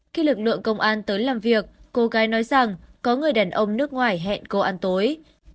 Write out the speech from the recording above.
khi lực lượng công an tới làm việc cô gái nói rằng có người đàn ông nước ngoài hẹn cô ăn tối